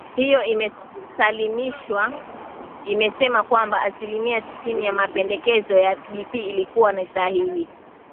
hiyo imesalimisha imesema kwamba aslimia tisini ya mapendekezo ya bp ilikuwa ni sahihi